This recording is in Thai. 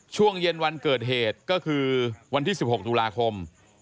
ช่วงเย็นวันเกิดเหตุก็คือวันที่๑๖ตุลาคม